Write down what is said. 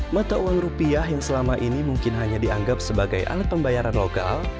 mata uang rupiah yang selama ini mungkin hanya dianggap sebagai alat pembayaran lokal